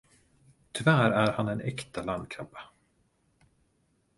Tyvärr är han en äkta landkrabba.